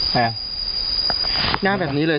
หน้าแบบนี้เลย